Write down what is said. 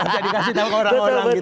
jadi kasih tau ke orang orang gitu